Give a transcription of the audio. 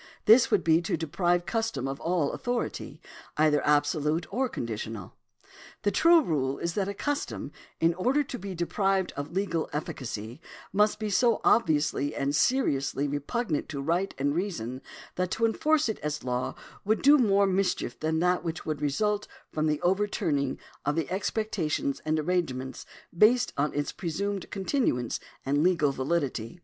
This would be to de prive custom of all authority, either absolute or conditional. The true rule is that a custom, in order to be deprived of legal efficacy, must be so obviously and seriously repugnant to right and reason, that to enforce it as law would do more mischief than that which would result from the overturning of the expectations and arrangements based on its presumed continuance and legal validity.